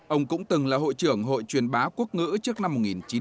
ông cũng từng là hội trưởng hội truyền bá quốc ngữ trước năm một nghìn chín trăm bảy mươi